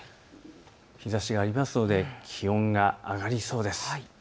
日ざしがありますので気温が上がりそうです。